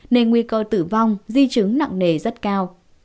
nên nguy cơ tử vong di chứng nặng nề rất cao